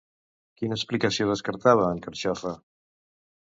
Quina explicació descartava en Carxofa?